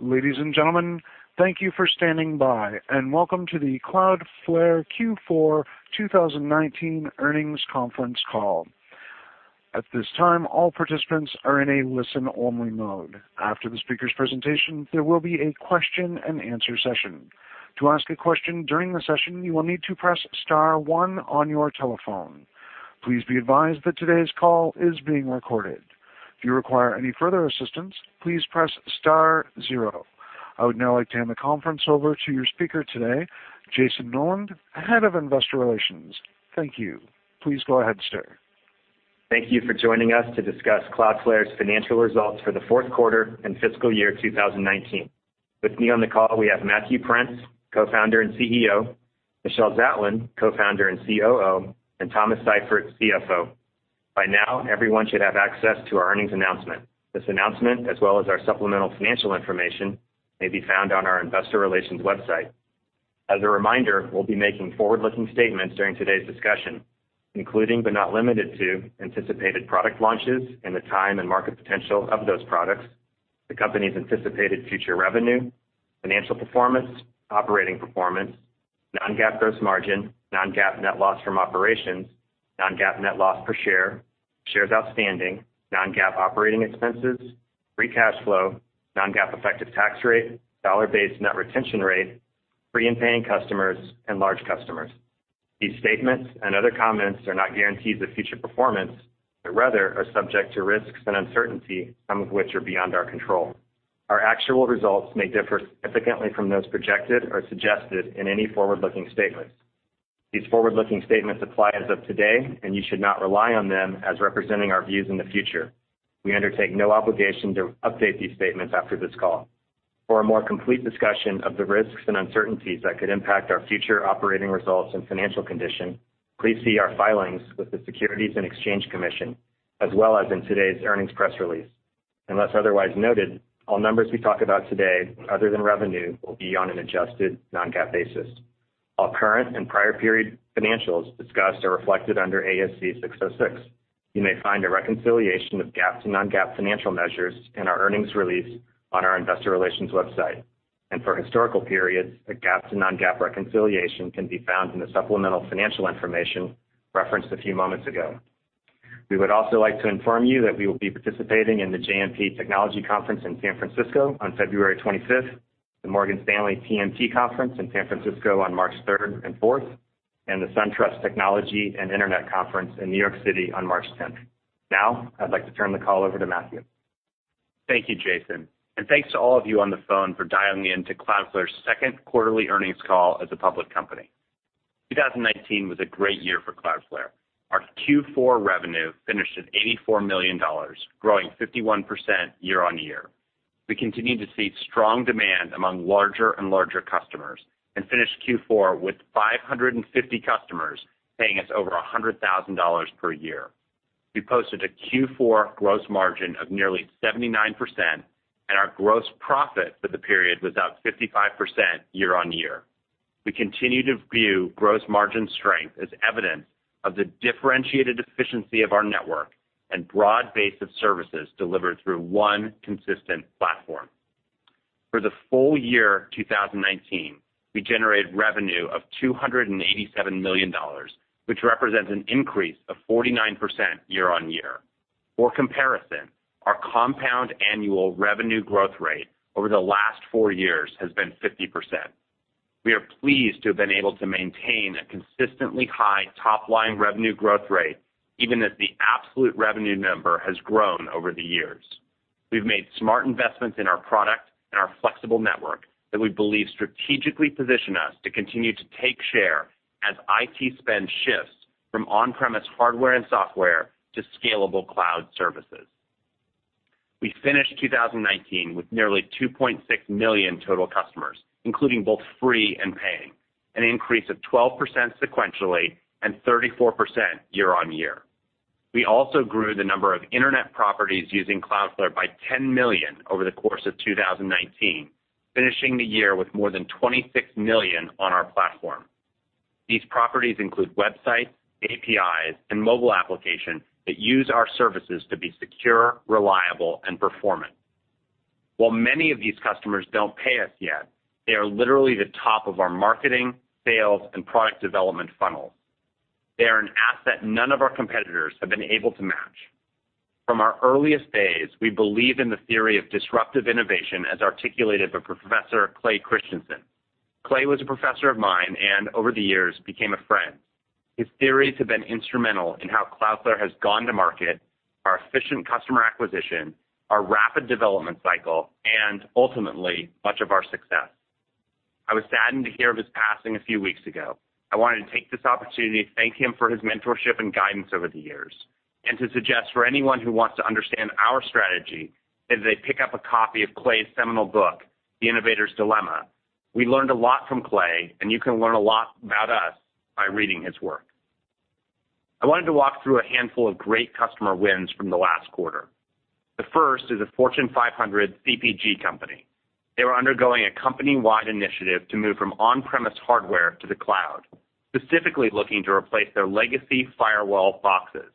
Ladies and gentlemen, thank you for standing by, and welcome to the Cloudflare Q4 2019 earnings conference call. At this time, all participants are in a listen-only mode. After the speaker's presentation, there will be a question-and-answer session. To ask a question during the session, you will need to press star one on your telephone. Please be advised that today's call is being recorded. If you require any further assistance, please press star zero. I would now like to hand the conference over to your speaker today, Jayson Noland, Head of Investor Relations. Thank you. Please go ahead, sir. Thank you for joining us to discuss Cloudflare's financial results for the fourth quarter and fiscal year 2019. With me on the call we have Matthew Prince, Co-Founder and CEO, Michelle Zatlyn, Co-Founder and COO, and Thomas Seifert, CFO. By now, everyone should have access to our earnings announcement. This announcement, as well as our supplemental financial information, may be found on our investor relations website. As a reminder, we'll be making forward-looking statements during today's discussion, including but not limited to anticipated product launches and the time and market potential of those products, the company's anticipated future revenue, financial performance, operating performance, non-GAAP gross margin, non-GAAP net loss from operations, non-GAAP net loss per share, shares outstanding, non-GAAP operating expenses, free cash flow, non-GAAP effective tax rate, dollar-based net retention rate, free and paying customers, and large customers. These statements and other comments are not guarantees of future performance, but rather are subject to risks and uncertainty, some of which are beyond our control. Our actual results may differ significantly from those projected or suggested in any forward-looking statement. These forward-looking statements apply as of today, and you should not rely on them as representing our views in the future. We undertake no obligation to update these statements after this call. For a more complete discussion of the risks and uncertainties that could impact our future operating results and financial condition, please see our filings with the Securities and Exchange Commission, as well as in today's earnings press release. Unless otherwise noted, all numbers we talk about today other than revenue will be on an adjusted non-GAAP basis. All current and prior period financials discussed are reflected under ASC 606. You may find a reconciliation of GAAP to non-GAAP financial measures in our earnings release on our investor relations website. For historical periods, the GAAP to non-GAAP reconciliation can be found in the supplemental financial information referenced a few moments ago. We would also like to inform you that we will be participating in the JMP Technology Conference in San Francisco on February 25th, the Morgan Stanley TMT Conference in San Francisco on March 3rd and 4th, and the SunTrust Technology and Internet Conference in New York City on March 10th. Now, I'd like to turn the call over to Matthew. Thank you, Jayson, and thanks to all of you on the phone for dialing in to Cloudflare's second quarterly earnings call as a public company. 2019 was a great year for Cloudflare. Our Q4 revenue finished at $84 million, growing 51% year-on-year. We continued to see strong demand among larger and larger customers and finished Q4 with 550 customers paying us over $100,000 per year. We posted a Q4 gross margin of nearly 79%, and our gross profit for the period was up 55% year-on-year. We continue to view gross margin strength as evidence of the differentiated efficiency of our network and broad base of services delivered through one consistent platform. For the full year 2019, we generated revenue of $287 million, which represents an increase of 49% year-on-year. For comparison, our compound annual revenue growth rate over the last four years has been 50%. We are pleased to have been able to maintain a consistently high top-line revenue growth rate even as the absolute revenue number has grown over the years. We've made smart investments in our product and our flexible network that we believe strategically position us to continue to take share as IT spend shifts from on-premise hardware and software to scalable cloud services. We finished 2019 with nearly 2.6 million total customers, including both free and paying, an increase of 12% sequentially and 34% year-on-year. We also grew the number of Internet properties using Cloudflare by 10 million over the course of 2019, finishing the year with more than 26 million on our platform. These properties include websites, APIs, and mobile applications that use our services to be secure, reliable, and performant. While many of these customers don't pay us yet, they are literally the top of our marketing, sales, and product development funnel. They are an asset none of our competitors have been able to match. From our earliest days, we believe in the theory of disruptive innovation as articulated by Professor Clay Christensen. Clay was a professor of mine and over the years became a friend. His theories have been instrumental in how Cloudflare has gone to market, our efficient customer acquisition, our rapid development cycle, and ultimately, much of our success. I was saddened to hear of his passing a few weeks ago. I wanted to take this opportunity to thank him for his mentorship and guidance over the years, to suggest for anyone who wants to understand our strategy that they pick up a copy of Clay's seminal book, The Innovator's Dilemma. We learned a lot from Clay, you can learn a lot about us by reading his work. I wanted to walk through a handful of great customer wins from the last quarter. The first is a Fortune 500 CPG company. They were undergoing a company-wide initiative to move from on-premise hardware to the cloud, specifically looking to replace their legacy firewall boxes.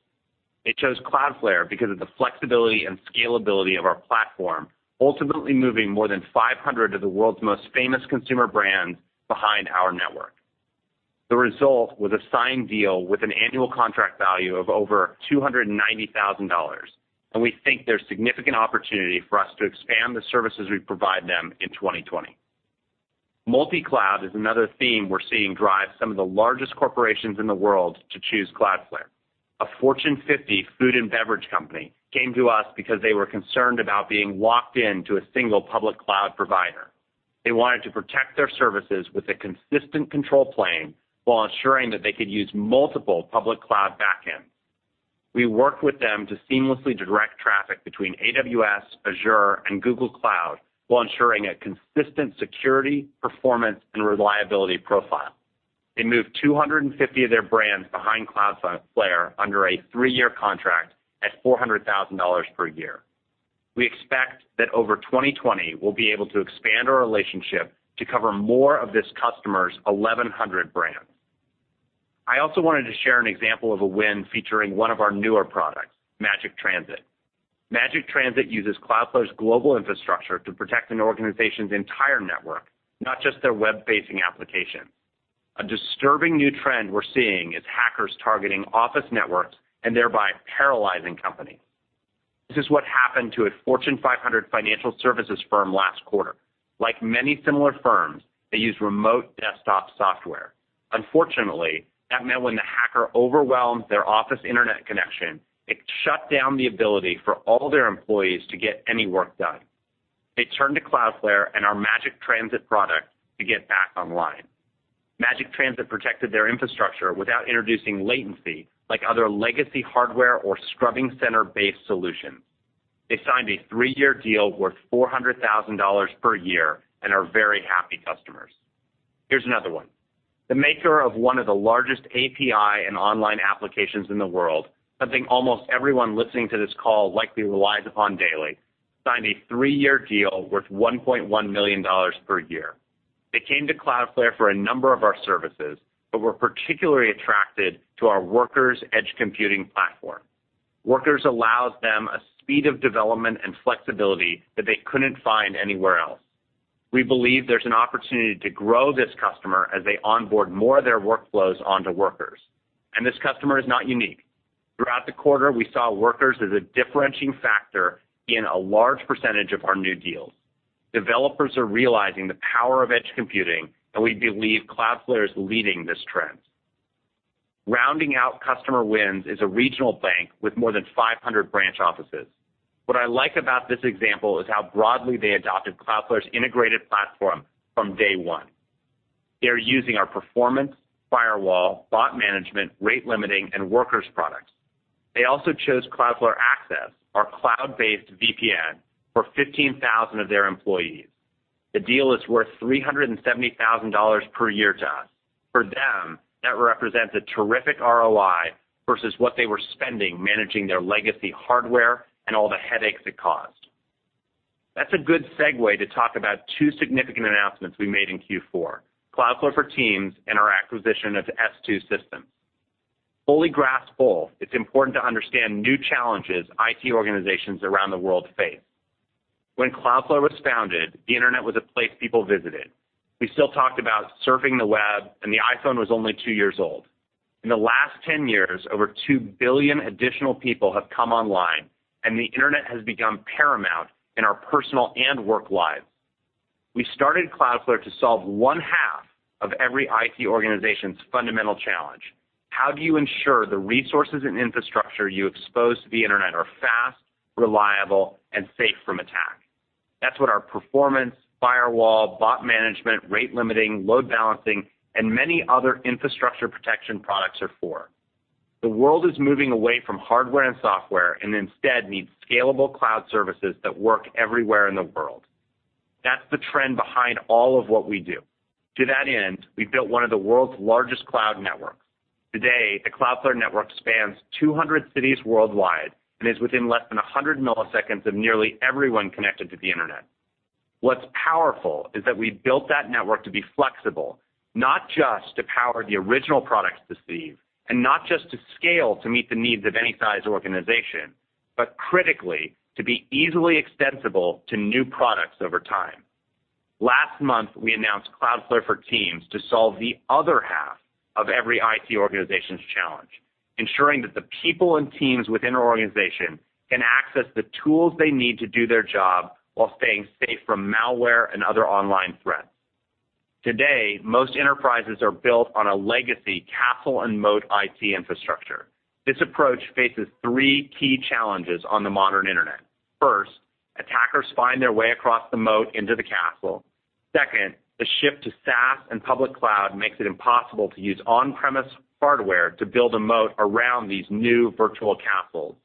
It chose Cloudflare because of the flexibility and scalability of our platform, ultimately moving more than 500 of the world's most famous consumer brands behind our network. The result was a signed deal with an annual contract value of over $290,000. We think there's significant opportunity for us to expand the services we provide them in 2020. Multi-cloud is another theme we're seeing drive some of the largest corporations in the world to choose Cloudflare. A Fortune 50 food and beverage company came to us because they were concerned about being locked into a single public cloud provider. They wanted to protect their services with a consistent control plane while ensuring that they could use multiple public cloud backends. We worked with them to seamlessly direct traffic between AWS, Azure, and Google Cloud while ensuring a consistent security, performance, and reliability profile. They moved 250 of their brands behind Cloudflare under a three-year contract at $400,000 per year. We expect that over 2020 we'll be able to expand our relationship to cover more of this customer's 1,100 brands. I also wanted to share an example of a win featuring one of our newer products, Magic Transit. Magic Transit uses Cloudflare's global infrastructure to protect an organization's entire network, not just their web-facing application. A disturbing new trend we're seeing is hackers targeting office networks and thereby paralyzing companies. This is what happened to a Fortune 500 financial services firm last quarter. Like many similar firms, they used remote desktop software. Unfortunately, that meant when the hacker overwhelmed their office Internet connection, it shut down the ability for all their employees to get any work done. They turned to Cloudflare and our Magic Transit product to get back online. Magic Transit protected their infrastructure without introducing latency like other legacy hardware or scrubbing center-based solutions. They signed a three-year deal worth $400,000 per year and are very happy customers. Here's another one. The maker of one of the largest API and online applications in the world, something almost everyone listening to this call likely relies upon daily, signed a three-year deal worth $1.1 million per year. They came to Cloudflare for a number of our services, but were particularly attracted to our Workers edge computing platform. Workers allows them a speed of development and flexibility that they couldn't find anywhere else. We believe there's an opportunity to grow this customer as they onboard more of their workflows onto Workers. This customer is not unique. Throughout the quarter, we saw Workers as a differentiating factor in a large percentage of our new deals. Developers are realizing the power of edge computing, and we believe Cloudflare is leading this trend. Rounding out customer wins is a regional bank with more than 500 branch offices. What I like about this example is how broadly they adopted Cloudflare's integrated platform from day one. They're using our performance, firewall, bot management, rate limiting, and Workers products. They also chose Cloudflare Access, our cloud-based VPN, for 15,000 of their employees. The deal is worth $370,000 per year to us. For them, that represents a terrific ROI versus what they were spending managing their legacy hardware and all the headaches it caused. That's a good segue to talk about two significant announcements we made in Q4. Cloudflare for Teams and our acquisition of S2 Systems. First and foremost, it's important to understand new challenges IT organizations around the world face. When Cloudflare was founded, the Internet was a place people visited. We still talked about surfing the web, and the iPhone was only two years old. In the last 10 years, over 2 billion additional people have come online, and the Internet has become paramount in our personal and work lives. We started Cloudflare to solve 1/2 of every IT organization's fundamental challenge. How do you ensure the resources and infrastructure you expose to the Internet are fast, reliable, and safe from attack? That's what our performance, firewall, bot management, rate limiting, load balancing, and many other infrastructure protection products are for. The world is moving away from hardware and software and instead needs scalable cloud services that work everywhere in the world. That's the trend behind all of what we do. To that end, we've built one of the world's largest cloud networks. Today, the Cloudflare network spans 200 cities worldwide and is within less than 100 ms of nearly everyone connected to the Internet. What's powerful is that we built that network to be flexible, not just to power the original products conceived, not just to scale to meet the needs of any size organization, but critically to be easily extensible to new products over time. Last month, we announced Cloudflare for Teams to solve the other half of every IT organization's challenge, ensuring that the people and teams within our organization can access the tools they need to do their job while staying safe from malware and other online threats. Today, most enterprises are built on a legacy castle and moat IT infrastructure. This approach faces three key challenges on the modern Internet. First, attackers find their way across the moat into the castle. Second, the shift to SaaS and public cloud makes it impossible to use on-premise hardware to build a moat around these new virtual castles.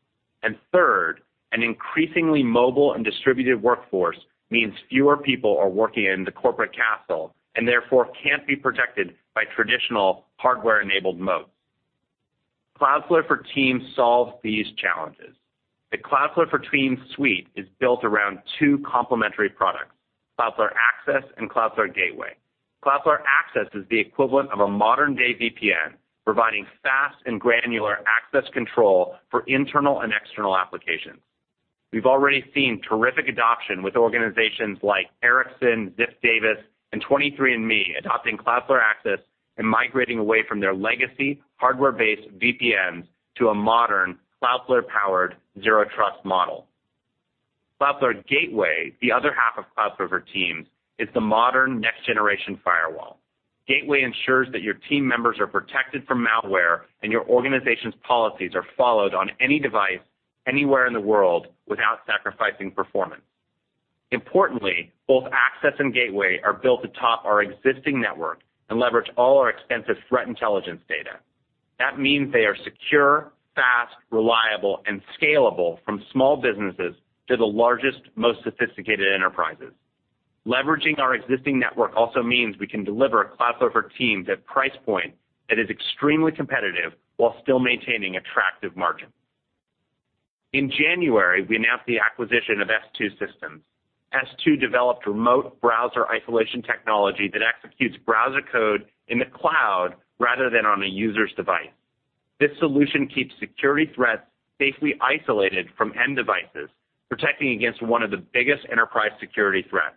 Third, an increasingly mobile and distributed workforce means fewer people are working in the corporate castle and therefore can't be protected by traditional hardware-enabled moats. Cloudflare for Teams solves these challenges. The Cloudflare for Teams suite is built around two complementary products, Cloudflare Access and Cloudflare Gateway. Cloudflare Access is the equivalent of a modern-day VPN, providing fast and granular access control for internal and external applications. We've already seen terrific adoption with organizations like Ericsson, Ziff Davis, and 23andMe adopting Cloudflare Access and migrating away from their legacy hardware-based VPNs to a modern Cloudflare-powered zero trust model. Cloudflare Gateway, the other half of Cloudflare for Teams, is the modern next generation firewall. Gateway ensures that your team members are protected from malware and your organization's policies are followed on any device, anywhere in the world without sacrificing performance. Importantly, both Access and Gateway are built atop our existing network and leverage all our extensive threat intelligence data. That means they are secure, fast, reliable, and scalable from small businesses to the largest, most sophisticated enterprises. Leveraging our existing network also means we can deliver Cloudflare for Teams at price point that is extremely competitive while still maintaining attractive margins. In January, we announced the acquisition of S2 Systems. S2 developed remote browser isolation technology that executes browser code in the cloud rather than on a user's device. This solution keeps security threats safely isolated from end devices, protecting against one of the biggest enterprise security threats.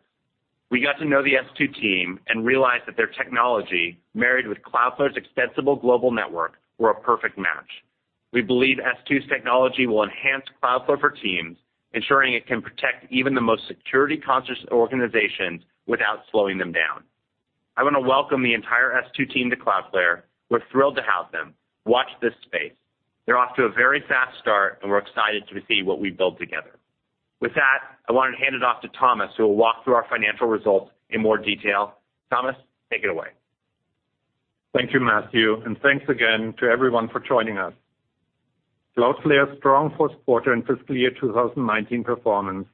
We got to know the S2 team and realized that their technology, married with Cloudflare's extensible global network, were a perfect match. We believe S2's technology will enhance Cloudflare for Teams, ensuring it can protect even the most security-conscious organizations without slowing them down. I wanna welcome the entire S2 team to Cloudflare. We're thrilled to have them. Watch this space. They're off to a very fast start, and we're excited to see what we build together. With that, I want to hand it off to Thomas who will walk through our financial results in more detail. Thomas, take it away. Thank you, Matthew, and thanks again to everyone for joining us. Cloudflare's strong fourth quarter and fiscal year 2019 performance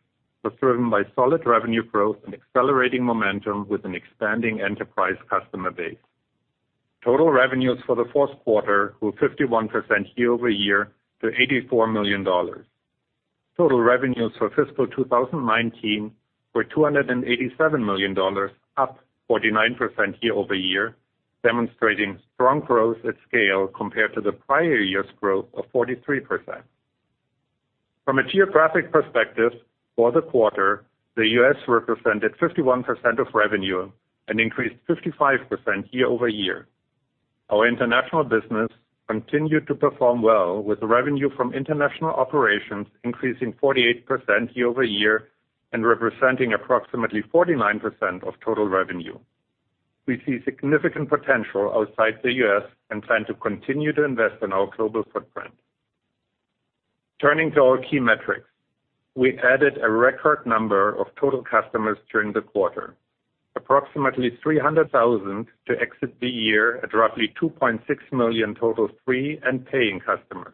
was driven by solid revenue growth and accelerating momentum with an expanding enterprise customer base. Total revenues for the fourth quarter were 51% year-over-year to $84 million. Total revenues for fiscal 2019 were $287 million, up 49% year-over-year, demonstrating strong growth at scale compared to the prior year's growth of 43%. From a geographic perspective, for the quarter, the U.S. represented 51% of revenue and increased 55% year-over-year. Our international business continued to perform well with revenue from international operations increasing 48% year-over-year and representing approximately 49% of total revenue. We see significant potential outside the U.S. and plan to continue to invest in our global footprint. Turning to our key metrics. We added a record number of total customers during the quarter, approximately 300,000 to exit the year at roughly 2.6 million total free and paying customers.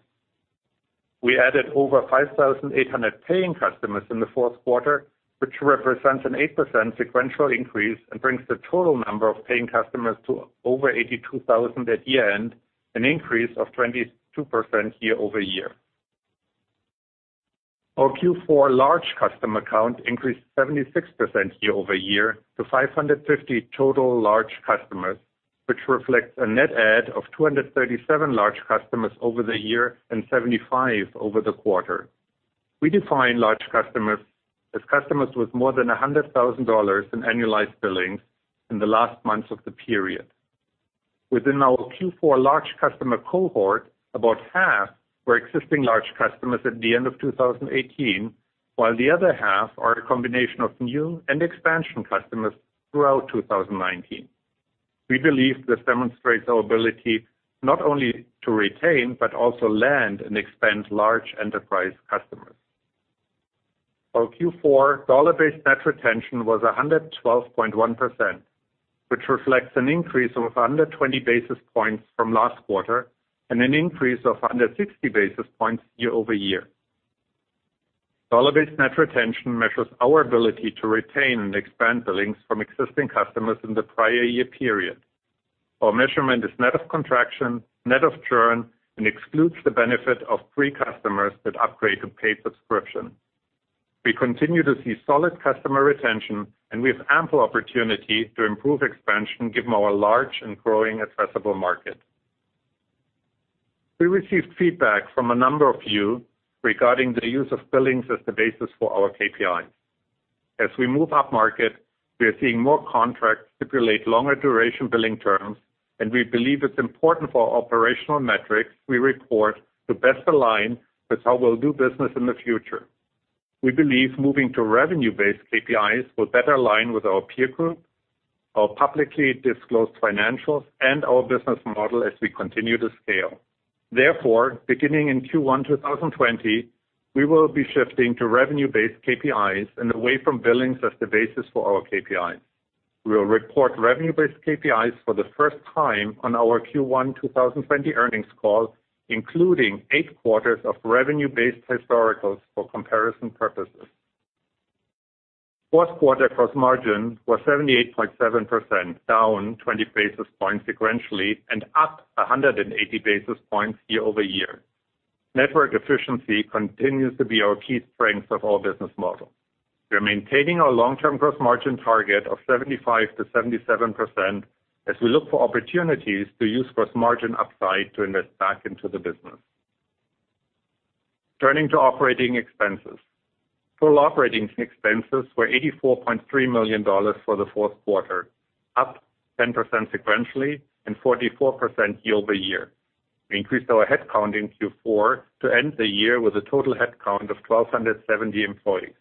We added over 5,800 paying customers in the fourth quarter, which represents an 8% sequential increase and brings the total number of paying customers to over 82,000 at year-end, an increase of 22% year-over-year. Our Q4 large customer count increased 76% year-over-year to 550 total large customers, which reflects a net add of 237 large customers over the year and 75 over the quarter. We define large customers as customers with more than $100,000 in annualized billings in the last months of the period. Within our Q4 large customer cohort, about half were existing large customers at the end of 2018, while the other half are a combination of new and expansion customers throughout 2019. We believe this demonstrates our ability not only to retain, but also land and expand large enterprise customers. Our Q4 dollar-based net retention was 112.1%, which reflects an increase of under 20 basis points from last quarter and an increase of under 60 basis points year-over-year. Dollar-based net retention measures our ability to retain and expand billings from existing customers in the prior year period. Our measurement is net of contraction, net of churn, and excludes the benefit of free customers that upgrade to paid subscription. We continue to see solid customer retention, and we have ample opportunity to improve expansion given our large and growing addressable market. We received feedback from a number of you regarding the use of billings as the basis for our KPIs. As we move up market, we are seeing more contracts stipulate longer duration billing terms, and we believe it's important for operational metrics we report to best align with how we'll do business in the future. We believe moving to revenue-based KPIs will better align with our peer group, our publicly-disclosed financials, and our business model as we continue to scale. Therefore, beginning in Q1 2020, we will be shifting to revenue-based KPIs and away from billings as the basis for our KPIs. We will report revenue-based KPIs for the first time on our Q1 2020 earnings call, including eight quarters of revenue-based historicals for comparison purposes. Fourth quarter gross margin was 78.7%, down 20 basis points sequentially, and up 180 basis points year-over-year. Network efficiency continues to be our key strength of our business model. We're maintaining our long-term gross margin target of 75%-77% as we look for opportunities to use gross margin upside to invest back into the business. Turning to operating expenses. Total operating expenses were $84.3 million for the fourth quarter, up 10% sequentially and 44% year-over-year. We increased our headcount in Q4 to end the year with a total headcount of 1,270 employees.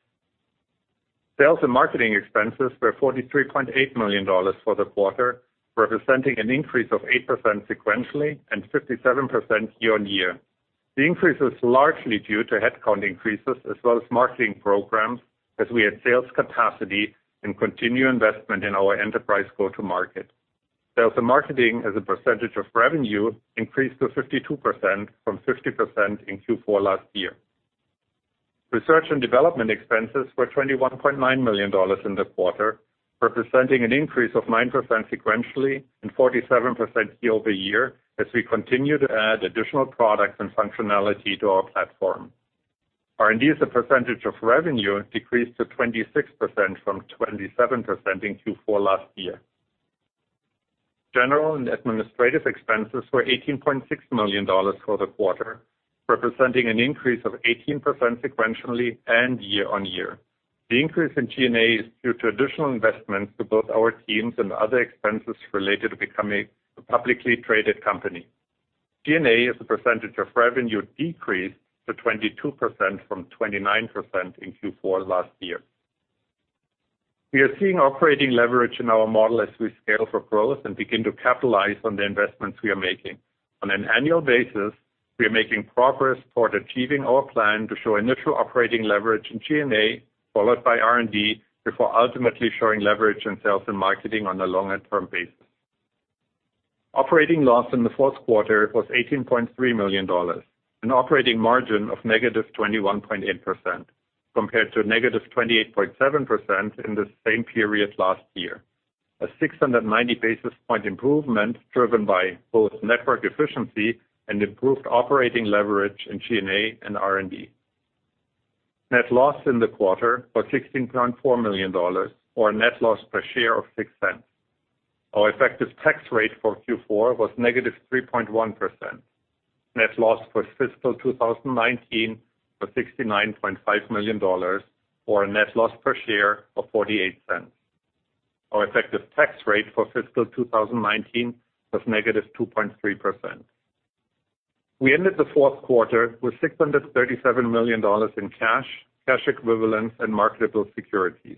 Sales and marketing expenses were $43.8 million for the quarter, representing an increase of 8% sequentially and 57% year-on-year. The increase was largely due to headcount increases as well as marketing programs as we add sales capacity and continue investment in our enterprise go-to-market. Sales and marketing as a percentage of revenue increased to 52% from 50% in Q4 last year. Research and development expenses were $21.9 million in the quarter, representing an increase of 9% sequentially and 47% year-over-year as we continue to add additional products and functionality to our platform. R&D as a percentage of revenue decreased to 26% from 27% in Q4 last year. General and administrative expenses were $18.6 million for the quarter, representing an increase of 18% sequentially and year-on-year. The increase in G&A is due to additional investments to both our teams and other expenses related to becoming a publicly traded company. G&A as a percentage of revenue decreased to 22% from 29% in Q4 last year. We are seeing operating leverage in our model as we scale for growth and begin to capitalize on the investments we are making. On an annual basis, we are making progress toward achieving our plan to show initial operating leverage in G&A, followed by R&D, before ultimately showing leverage in sales and marketing on a longer term basis. Operating loss in the fourth quarter was $18.3 million, an operating margin of -21.8% compared to -28.7% in the same period last year. A 690 basis point improvement driven by both network efficiency and improved operating leverage in G&A and R&D. Net loss in the quarter was $16.4 million or a net loss per share of $0.06. Our effective tax rate for Q4 was negative 3.1%. Net loss for fiscal 2019 was $69.5 million or a net loss per share of $0.48. Our effective tax rate for fiscal 2019 was -2.3%. We ended the fourth quarter with $637 million in cash equivalents, and marketable securities.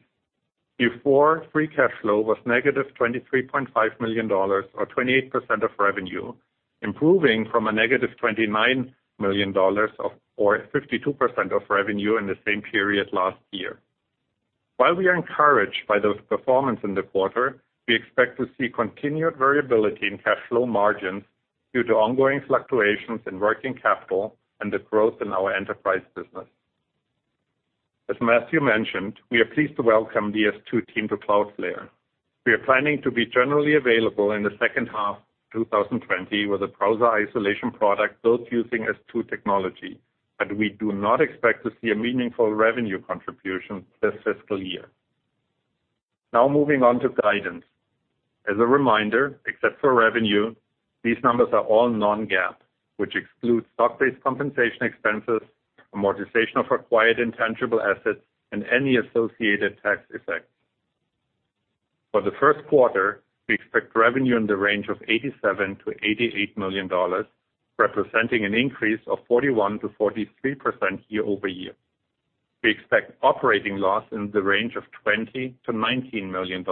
Q4 free cash flow was $-23.5 million or 28% of revenue, improving from a $-29 million or 52% of revenue in the same period last year. While we are encouraged by the performance in the quarter, we expect to see continued variability in cash flow margins due to ongoing fluctuations in working capital and the growth in our enterprise business. As Matthew mentioned, we are pleased to welcome the S2 team to Cloudflare. We are planning to be generally available in the second half 2020 with a browser isolation product built using S2 technology, but we do not expect to see a meaningful revenue contribution this fiscal year. Now moving on to guidance. As a reminder, except for revenue, these numbers are all non-GAAP, which excludes stock-based compensation expenses, amortization of acquired intangible assets, and any associated tax effects. For the first quarter, we expect revenue in the range of $87 million-$88 million, representing an increase of 41%-43% year-over-year. We expect operating loss in the range of $20 million-$19 million.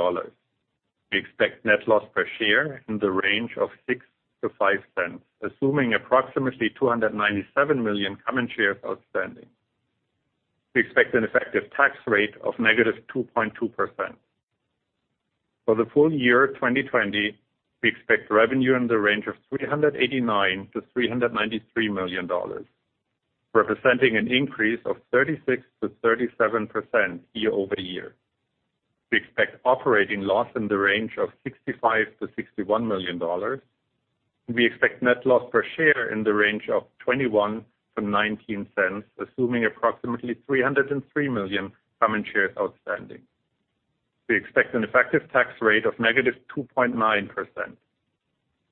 We expect net loss per share in the range of $0.06-$0.05, assuming approximately 297 million common shares outstanding. We expect an effective tax rate of -2.2%. For the full year 2020, we expect revenue in the range of $389 million-$393 million, representing an increase of 36%-37% year-over-year. We expect operating loss in the range of $65 million-$61 million. We expect net loss per share in the range of $0.21-$0.19, assuming approximately 303 million common shares outstanding. We expect an effective tax rate of -2.9%.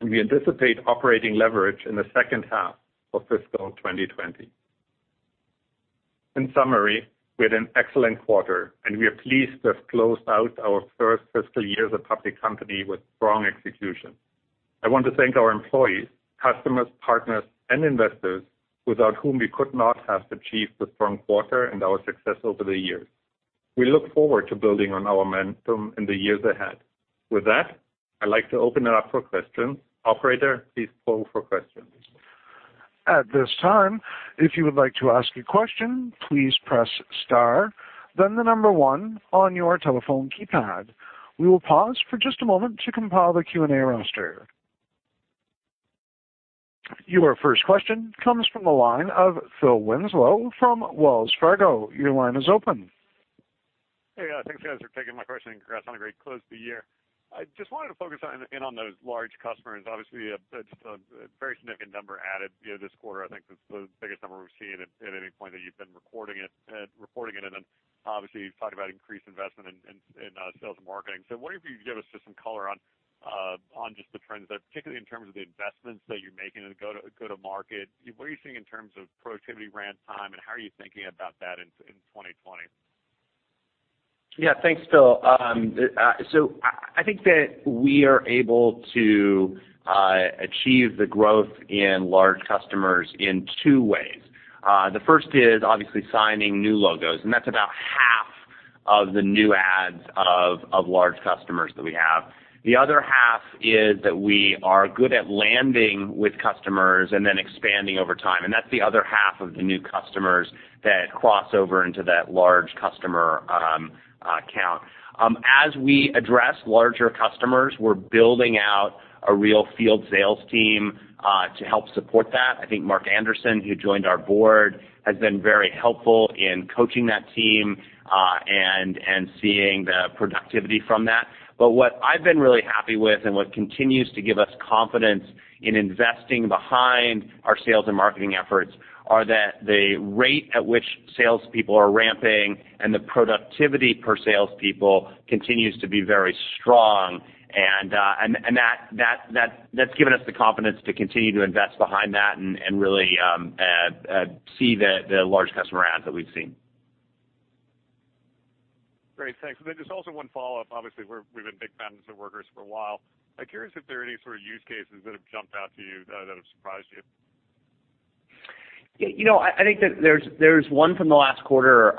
We anticipate operating leverage in the second half of fiscal 2020. In summary, we had an excellent quarter and we are pleased to have closed out our first fiscal year as a public company with strong execution. I want to thank our employees, customers, partners, and investors without whom we could not have achieved the strong quarter and our success over the years. We look forward to building on our momentum in the years ahead. With that, I'd like to open it up for questions. Operator, please poll for questions. At this time, if you would like to ask a question please press star then the number one on your telephone keypad. Will pause for just a moment to compile the Q&A roster. Your first question comes from the line of Phil Winslow from Wells Fargo. Your line is open. Hey, guys. Thanks, you guys, for taking my question. Congrats on a great close to the year. I just wanted to focus on those large customers. Obviously, just a very significant number added, you know, this quarter. I think it's the biggest number we've seen at any point that you've been recording it, reporting it. Obviously, you've talked about increased investment in sales and marketing. I wonder if you could give us just some color on just the trends there, particularly in terms of the investments that you're making in go to market. What are you seeing in terms of productivity ramp time, and how are you thinking about that in 2020? Yeah, thanks, Phil. I think that we are able to achieve the growth in large customers in two ways. The first is obviously signing new logos, and that's about half of the new adds of large customers that we have. The other half is that we are good at landing with customers and then expanding over time, and that's the other half of the new customers that cross over into that large customer count. As we address larger customers, we're building out a real field sales team to help support that. I think Mark Anderson, who joined our board, has been very helpful in coaching that team and seeing the productivity from that. What I've been really happy with and what continues to give us confidence in investing behind our sales and marketing efforts are that the rate at which salespeople are ramping and the productivity per salespeople continues to be very strong. And that's given us the confidence to continue to invest behind that and really see the large customer adds that we've seen. Great. Thanks. Just also one follow-up. Obviously, we've been big fans of Workers for a while. I'm curious if there are any sort of use cases that have jumped out to you that have surprised you. Yeah, you know, I think that there's one from the last quarter.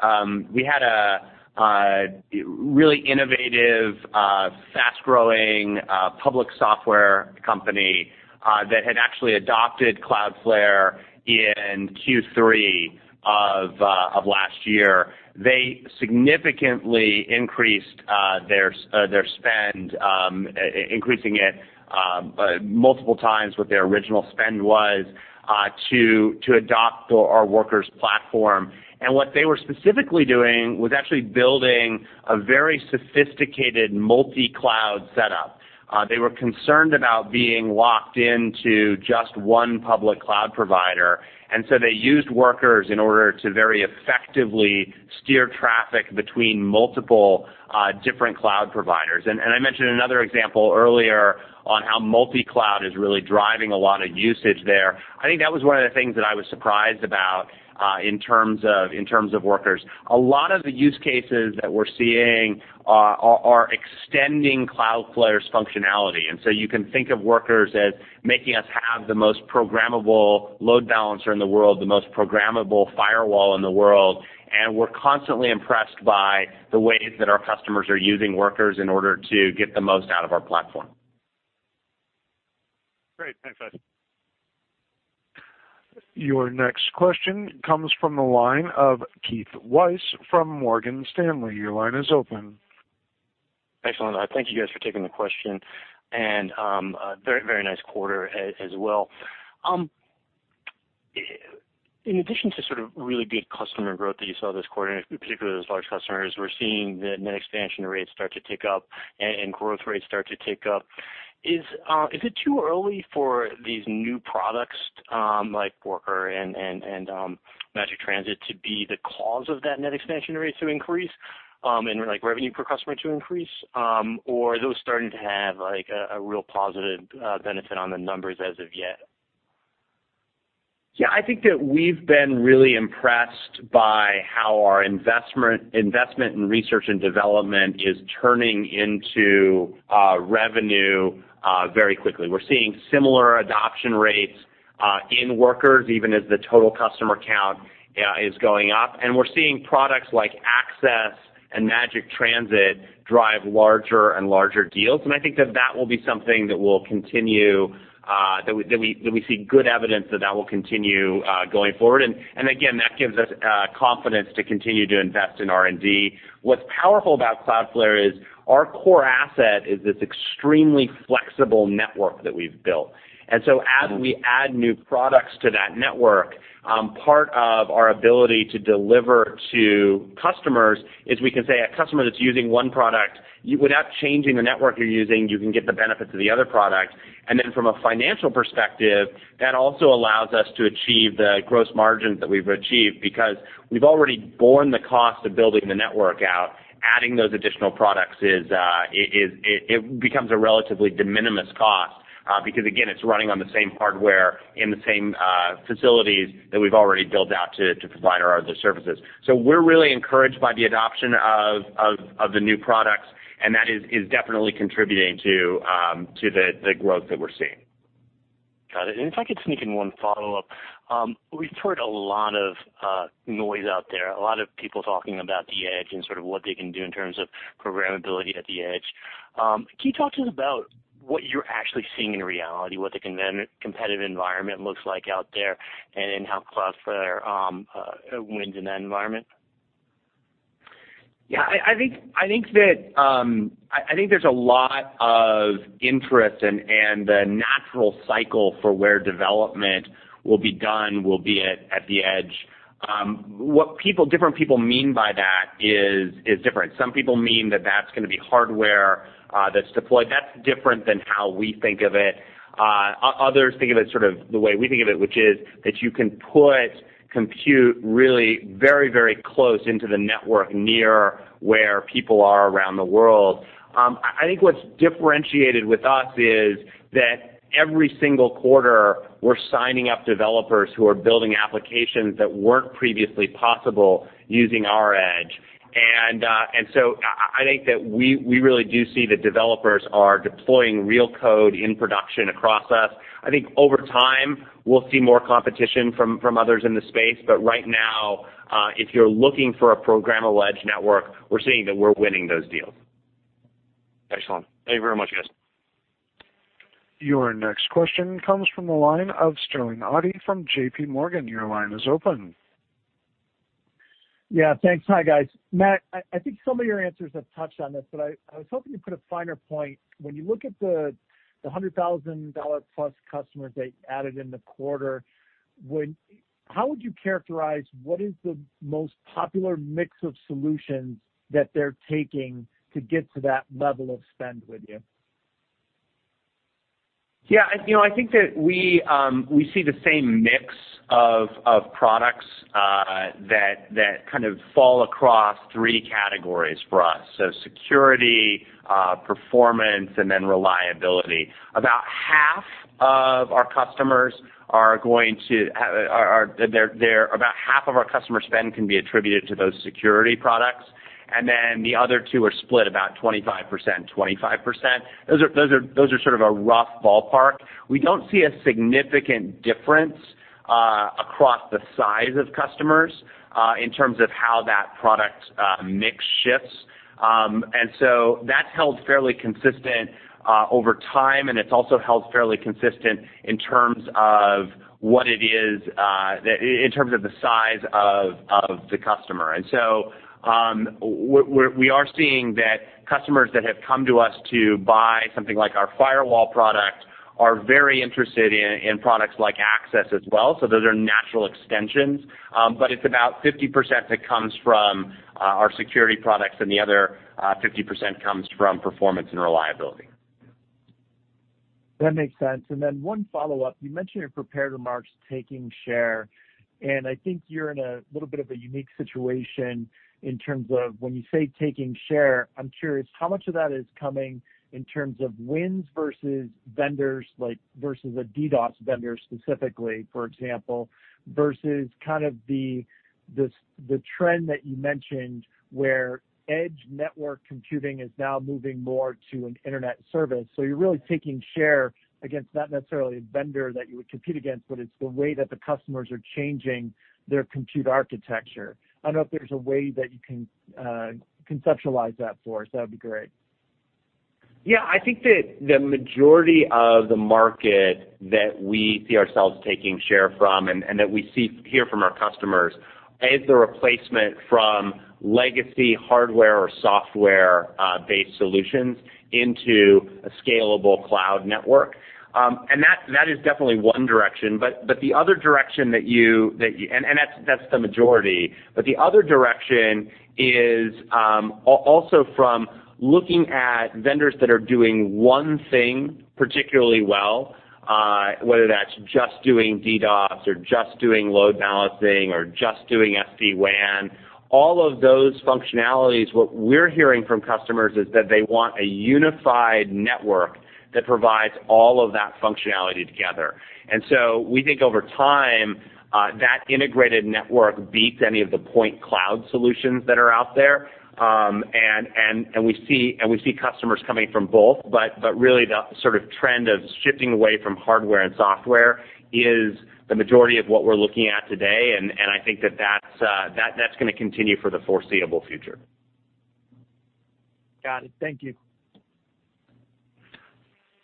We had a really innovative, fast-growing public software company that had actually adopted Cloudflare in Q3 of last year. They significantly increased their spend, increasing it multiple times what their original spend was to adopt our Workers platform. What they were specifically doing was actually building a very sophisticated multi-cloud setup. They were concerned about being locked into just one public cloud provider, they used Workers in order to very effectively steer traffic between multiple different cloud providers. I mentioned another example earlier on how multi-cloud is really driving a lot of usage there. I think that was one of the things that I was surprised about, in terms of Workers. A lot of the use cases that we're seeing, are extending Cloudflare's functionality. You can think of Workers as making us have the most programmable load balancer in the world, the most programmable firewall in the world, and we're constantly impressed by the ways that our customers are using Workers in order to get the most out of our platform. Great. Thanks, guys. Your next question comes from the line of Keith Weiss from Morgan Stanley. Your line is open. Excellent. Thank you guys for taking the question, and a very, very nice quarter as well. In addition to sort of really big customer growth that you saw this quarter, and particularly those large customers, we're seeing the net expansion rates start to tick up and growth rates start to tick up. Is it too early for these new products, like Workers and Magic Transit, to be the cause of that net expansion rates to increase, and like revenue per customer to increase? Are those starting to have like a real positive benefit on the numbers as of yet? Yeah, I think that we've been really impressed by how our investment in research and development is turning into revenue very quickly. We're seeing similar adoption rates in Workers, even as the total customer count is going up. We're seeing products like Access and Magic Transit drive larger and larger deals. I think that that will be something that will continue, that we see good evidence that that will continue going forward. Again, that gives us confidence to continue to invest in R&D. What's powerful about Cloudflare is our core asset is this extremely flexible network that we've built. As we add new products to that network, part of our ability to deliver to customers is we can say a customer that's using one product, without changing the network you're using, you can get the benefits of the other product. From a financial perspective, that also allows us to achieve the gross margins that we've achieved because we've already borne the cost of building the network out. Adding those additional products is it becomes a relatively de minimis cost, because again, it's running on the same hardware in the same facilities that we've already built out to provide our other services. We're really encouraged by the adoption of the new products, and that is definitely contributing to the growth that we're seeing. Got it. If I could sneak in one follow-up. We've heard a lot of noise out there, a lot of people talking about the edge and sort of what they can do in terms of programmability at the edge. Can you talk to us about what you're actually seeing in reality, what the competitive environment looks like out there, and then how Cloudflare wins in that environment? Yeah, I think that, I think there's a lot of interest and the natural cycle for where development will be done will be at the edge. What different people mean by that is different. Some people mean that that's gonna be hardware that's deployed. That's different than how we think of it. Others think of it sort of the way we think of it, which is that you can put compute really very, very close into the network near where people are around the world. I think what's differentiated with us is that every single quarter we're signing up developers who are building applications that weren't previously possible using our edge. I think that we really do see that developers are deploying real code in production across us. I think over time we'll see more competition from others in the space. Right now, if you're looking for a programmable edge network, we're seeing that we're winning those deals. Excellent. Thank you very much, guys. Your next question comes from the line of Sterling Auty from JPMorgan. Your line is open. Yeah, thanks. Hi, guys. Matt, I think some of your answers have touched on this, but I was hoping you'd put a finer point. When you look at the $100,000+ customers that you added in the quarter, how would you characterize what is the most popular mix of solutions that they're taking to get to that level of spend with you? You know, I think that we see the same mix of products that kind of fall across three categories for us, so security, performance, and reliability. About half of our customer spend can be attributed to those security products, the other two are split about 25%, 25%. Those are sort of a rough ballpark. We don't see a significant difference across the size of customers in terms of how that product mix shifts. That's held fairly consistent over time, and it's also held fairly consistent in terms of what it is in terms of the size of the customer. We are seeing that customers that have come to us to buy something like our firewall product are very interested in products like Access as well, so those are natural extensions. It's about 50% that comes from our security products and the other 50% comes from performance and reliability. That makes sense. One follow-up. You mentioned in your prepared remarks taking share, I think you're in a little bit of a unique situation in terms of when you say taking share, I'm curious how much of that is coming in terms of wins versus vendors, like versus a DDoS vendor specifically, for example, versus kind of the trend that you mentioned where edge network computing is now moving more to an Internet service. You're really taking share against not necessarily a vendor that you would compete against, but it's the way that the customers are changing their compute architecture. I don't know if there's a way that you can conceptualize that for us. That would be great. Yeah. I think that the majority of the market that we see ourselves taking share from and that we hear from our customers is the replacement from legacy hardware or software-based solutions into a scalable cloud network. That is definitely one direction. That's the majority. The other direction is also from looking at vendors that are doing one thing particularly well, whether that's just doing DDoS or just doing load balancing or just doing SD-WAN. All of those functionalities, what we're hearing from customers is that they want a unified network that provides all of that functionality together. We think over time that integrated network beats any of the point cloud solutions that are out there. We see customers coming from both, but really the sort of trend of shifting away from hardware and software is the majority of what we're looking at today. I think that's gonna continue for the foreseeable future. Got it. Thank you.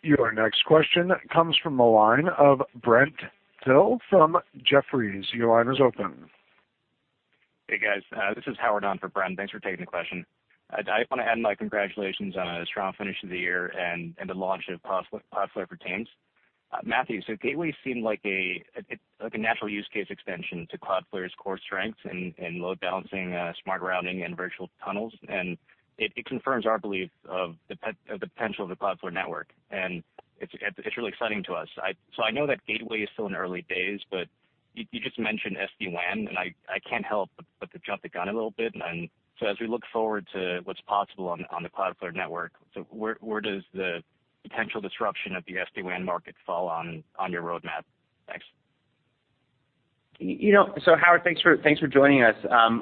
Your next question comes from the line of Brent Thill from Jefferies. Your line is open. Hey, guys. This is Howard on for Brent. Thanks for taking the question. I wanna add my congratulations on a strong finish to the year and the launch of Cloudflare for Teams. Matthew, Gateway seemed like a natural use case extension to Cloudflare's core strengths in load balancing, smart routing, and virtual tunnels. It confirms our belief of the potential of the Cloudflare network, and it's really exciting to us. I know that Gateway is still in the early days, but you just mentioned SD-WAN, and I can't help but to jump the gun a little bit. As we look forward to what's possible on the Cloudflare network, where does the potential disruption of the SD-WAN market fall on your roadmap? Thanks. You know, Howard, thanks for joining us. I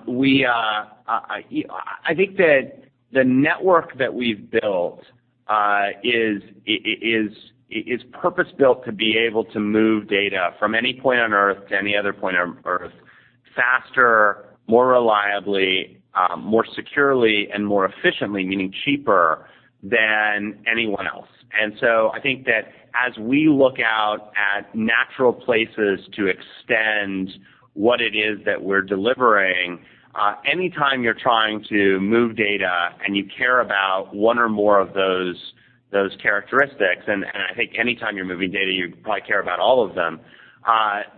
think that the network that we've built is purpose-built to be able to move data from any point on Earth to any other point on Earth faster, more reliably, more securely, and more efficiently, meaning cheaper, than anyone else. I think that as we look out at natural places to extend what it is that we're delivering, anytime you're trying to move data and you care about one or more of those characteristics, and I think anytime you're moving data, you probably care about all of them,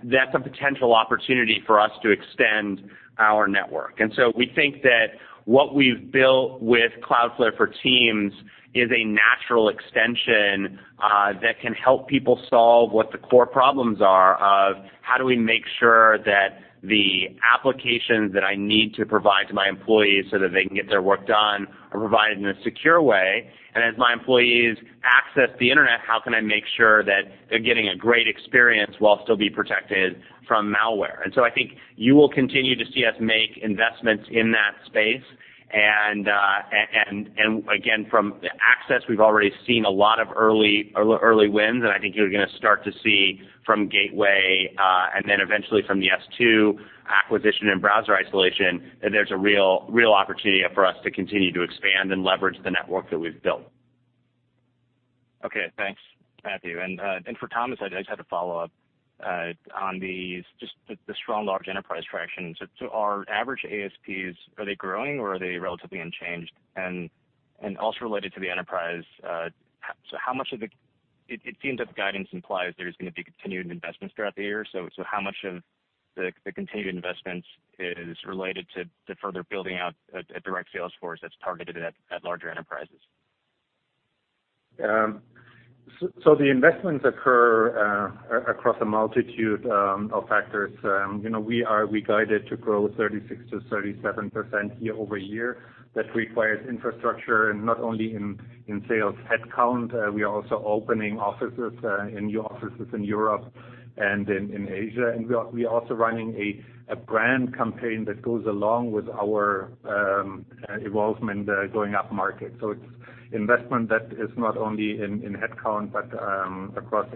that's a potential opportunity for us to extend our network. We think that what we've built with Cloudflare for Teams is a natural extension that can help people solve what the core problems are of how do we make sure that the applications that I need to provide to my employees so that they can get their work done are provided in a secure way. As my employees access the Internet, how can I make sure that they're getting a great experience while still be protected from malware? I think you will continue to see us make investments in that space. Again, from the Access, we've already seen a lot of early wins, and I think you're gonna start to see from Gateway, and then eventually from the S2 acquisition and browser isolation, that there's a real opportunity for us to continue to expand and leverage the network that we've built. Okay. Thanks, Matthew. For Thomas, I just had to follow up on the strong large enterprise traction. Our average ASPs, are they growing or are they relatively unchanged? Also related to the enterprise, it seems that the guidance implies there's gonna be continued investments throughout the year. How much of the continued investments is related to further building out a direct sales force that's targeted at larger enterprises? So the investments occur across a multitude of factors. You know, we guided to grow 36% to 37% year-over-year. That requires infrastructure, not only in sales headcount, we are also opening offices in new offices in Europe and in Asia. We are also running a brand campaign that goes along with our involvement going up market. It's investment that is not only in headcount, but across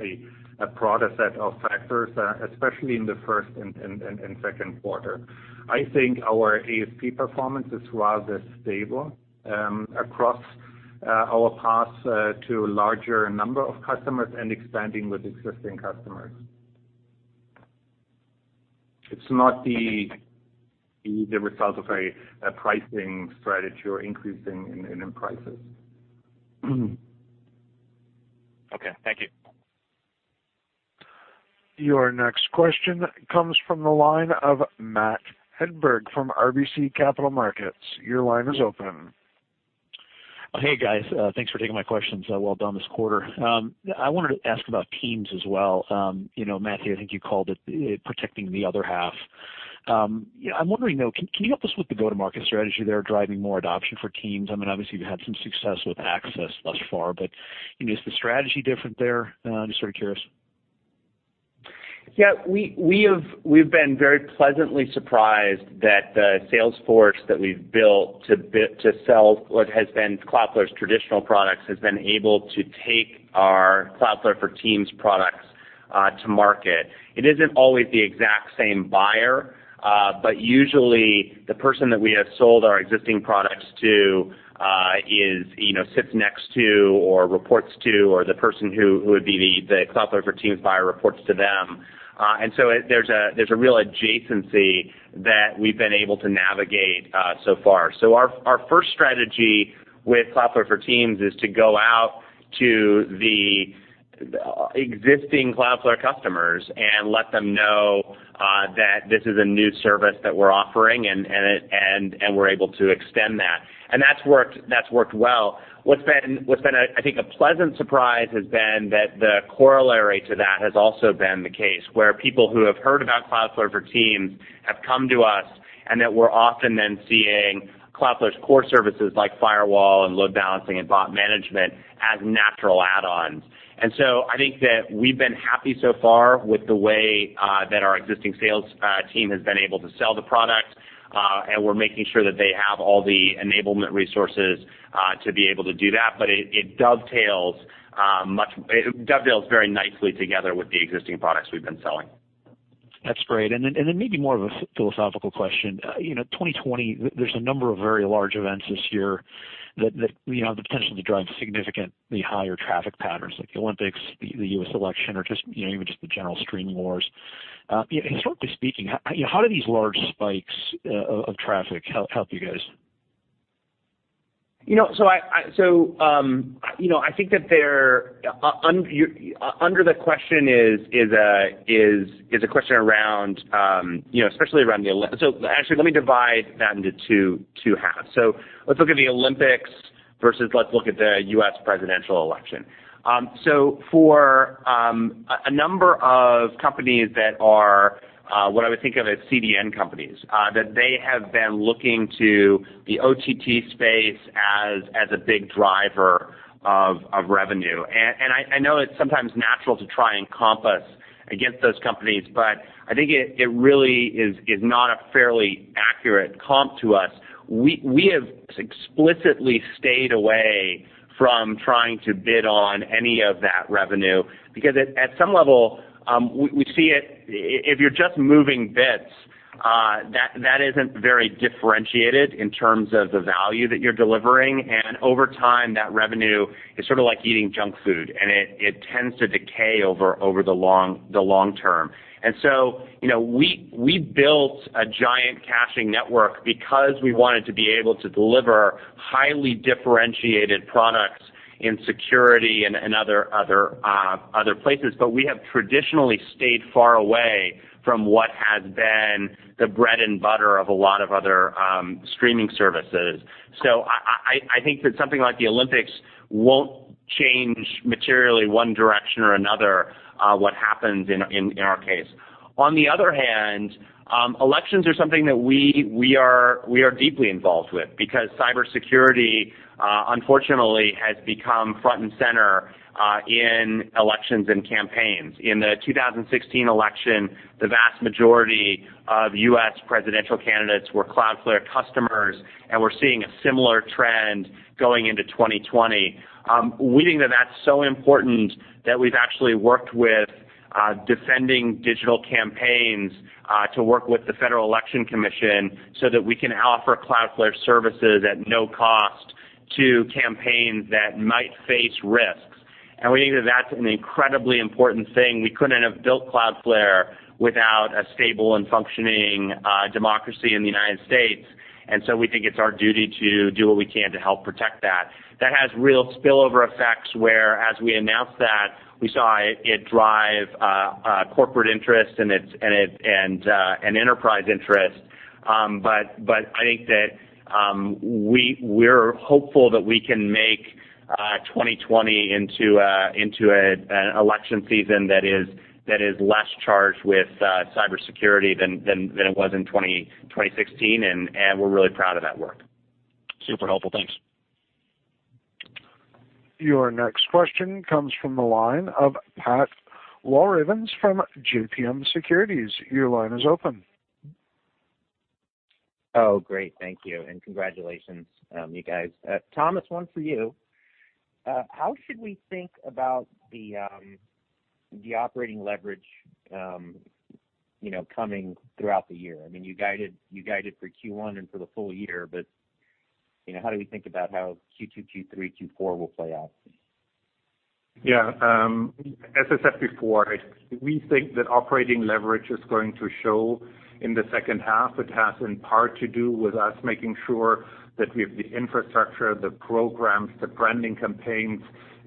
a broader set of factors, especially in the first and second quarter. I think our ASP performance is rather stable across our path to larger number of customers and expanding with existing customers. It's not the result of a pricing strategy or increasing in prices. Okay. Thank you. Your next question comes from the line of Matt Hedberg from RBC Capital Markets. Your line is open. Hey, guys. Thanks for taking my questions. Well done this quarter. I wanted to ask about Teams as well. You know, Matthew, I think you called it protecting the other half. You know, I'm wondering, though, can you help us with the go-to-market strategy there, driving more adoption for Teams? I mean, obviously, you've had some success with Access thus far, but, you know, is the strategy different there? I'm just sort of curious. We've been very pleasantly surprised that the sales force that we've built to sell what has been Cloudflare's traditional products has been able to take our Cloudflare for Teams products to market. It isn't always the exact same buyer, but usually the person that we have sold our existing products to is, you know, sits next to or reports to or the person who would be the Cloudflare for Teams buyer reports to them. There's a real adjacency that we've been able to navigate so far. Our first strategy with Cloudflare for Teams is to go out to the existing Cloudflare customers and let them know that this is a new service that we're offering and we're able to extend that. That's worked, that's worked well. What's been a, I think, a pleasant surprise has been that the corollary to that has also been the case, where people who have heard about Cloudflare for Teams have come to us, and that we're often then seeing Cloudflare's core services like firewall and load balancing and bot management as natural add-ons. I think that we've been happy so far with the way that our existing sales team has been able to sell the product, and we're making sure that they have all the enablement resources to be able to do that. It dovetails very nicely together with the existing products we've been selling. That's great. Then, maybe more of a philosophical question. you know, 2020, there's a number of very large events this year that, you know, have the potential to drive significantly higher traffic patterns, like the Olympics, the U.S. election or just, you know, even just the general streaming wars. Historically speaking, how, you know, how do these large spikes of traffic help you guys? You know, I think that there under the question is a question around, you know, especially around let me divide that into two halves. Let's look at the Olympics versus let's look at the U.S. presidential election. For a number of companies that are what I would think of as CDN companies, that they have been looking to the OTT space as a big driver of revenue. I know it's sometimes natural to try and comp us against those companies, but I think it really is not a fairly accurate comp to us. We have explicitly stayed away from trying to bid on any of that revenue because at some level, we see it, if you're just moving bits, that isn't very differentiated in terms of the value that you're delivering. Over time, that revenue is sort of like eating junk food, and it tends to decay over the long term. You know, we built a giant caching network because we wanted to be able to deliver highly differentiated products in security and other places. We have traditionally stayed far away from what has been the bread and butter of a lot of other streaming services. I think that something like the Olympics won't change materially one direction or another, what happens in our case. On the other hand, elections are something that we are deeply involved with because cybersecurity unfortunately has become front and center in elections and campaigns. In the 2016 election, the vast majority of U.S. presidential candidates were Cloudflare customers, and we're seeing a similar trend going into 2020. We think that that's so important that we've actually worked with Defending Digital Campaigns to work with the Federal Election Commission so that we can offer Cloudflare services at no cost to campaigns that might face risks. We think that that's an incredibly important thing. We couldn't have built Cloudflare without a stable and functioning democracy in the United States. We think it's our duty to do what we can to help protect that. That has real spillover effects, where as we announced that we saw it drive corporate interest and enterprise interest. I think that we're hopeful that we can make 2020 into an election season that is less charged with cybersecurity than it was in 2016. We're really proud of that work. Super helpful. Thanks. Your next question comes from the line of Pat Walravens from JMP Securities. Your line is open. Great. Thank you, congratulations, you guys. Thomas, one for you. How should we think about the operating leverage, you know, coming throughout the year? I mean, you guided, you guided for Q1 and for the full year, but, you know, how do we think about how Q2, Q3, Q4 will play out? As I said before, we think that operating leverage is going to show in the second half. It has in part to do with us making sure that we have the infrastructure, the programs, the branding campaigns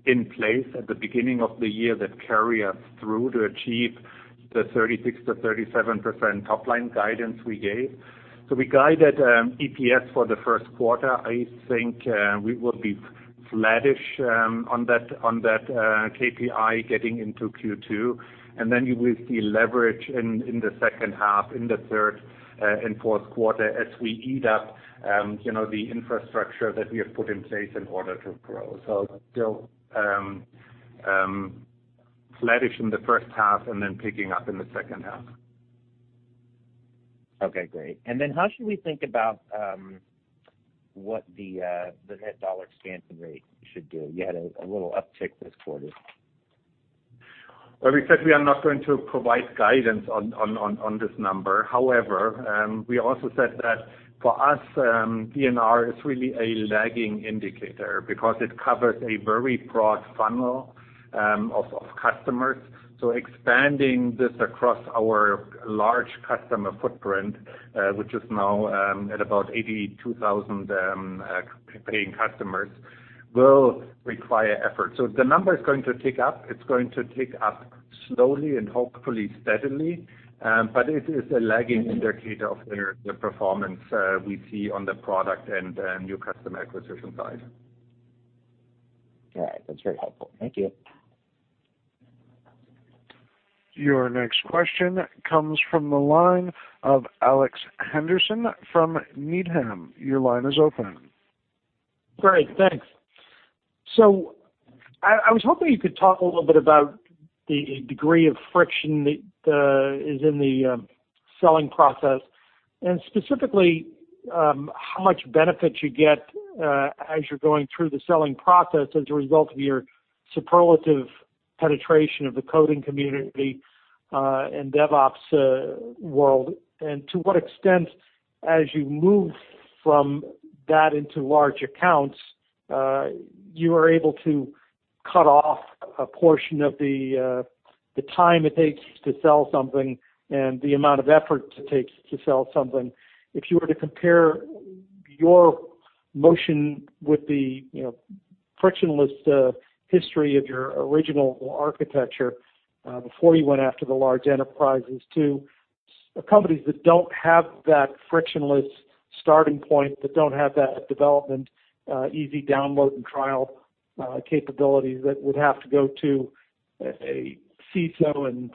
in place at the beginning of the year that carry us through to achieve the 36%-37% top-line guidance we gave. We guided EPS for the first quarter. I think we will be flattish on that, on that KPI getting into Q2. You will see leverage in the second half, in the third and fourth quarter as we eat up, you know, the infrastructure that we have put in place in order to grow. Still flattish in the first half and then picking up in the second half. Okay, great. How should we think about what the net dollar expansion rate should do? You had a little uptick this quarter. Well, we said we are not going to provide guidance on this number. However, we also said that for us, DNR is really a lagging indicator because it covers a very broad funnel of customers. Expanding this across our large customer footprint, which is now at about 82,000 paying customers, will require effort. The number is going to tick up. It's going to tick up slowly and hopefully steadily. It is a lagging indicator of their, the performance we see on the product and new customer acquisition side. All right. That's very helpful. Thank you. Your next question comes from the line of Alex Henderson from Needham. Your line is open. Great, thanks. I was hoping you could talk a little bit about the degree of friction that is in the selling process and specifically, how much benefit you get as you're going through the selling process as a result of your superlative penetration of the coding community and DevOps world. To what extent as you move from that into large accounts, you are able to cut off a portion of the time it takes to sell something and the amount of effort it takes to sell something. If you were to compare your motion with the, you know, frictionless history of your original architecture, before you went after the large enterprises to companies that don't have that frictionless starting point, that don't have that development, easy download and trial capabilities that would have to go to a CISO and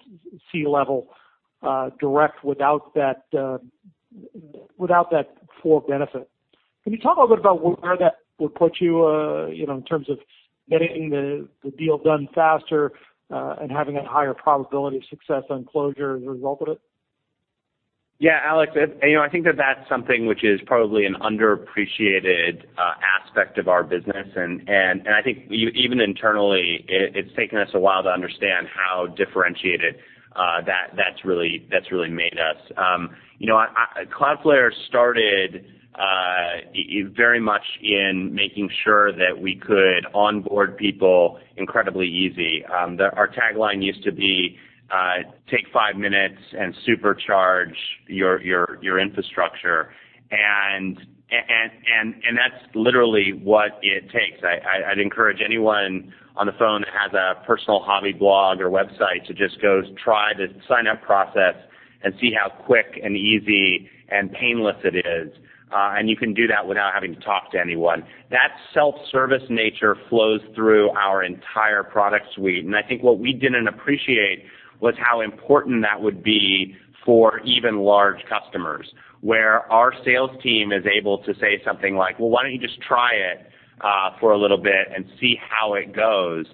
C-level direct without that without that core benefit. Can you talk a little bit about where that would put you know, in terms of getting the deal done faster and having a higher probability of success on closure as a result of it? Yeah, Alex, you know, I think that that's something which is probably an underappreciated aspect of our business, and I think even internally, it's taken us a while to understand how differentiated that's really made us. You know, Cloudflare started very much in making sure that we could onboard people incredibly easy. Our tagline used to be, take five minutes and supercharge your infrastructure. That's literally what it takes. I'd encourage anyone on the phone that has a personal hobby blog or website to just go try the sign-up process and see how quick and easy and painless it is. You can do that without having to talk to anyone. That self-service nature flows through our entire product suite. I think what we didn't appreciate was how important that would be for even large customers, where our sales team is able to say something like, "Well, why don't you just try it for a little bit and see how it goes?"